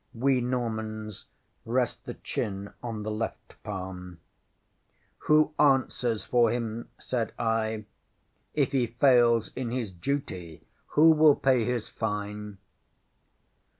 We Normans rest the chin on the left palm. ŌĆśŌĆ£Who answers for him? ŌĆØ said I. ŌĆ£If he fails in his duty, who will pay his fine?